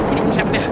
ini buset ya